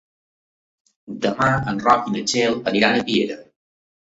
Demà en Roc i na Txell iran a Piera.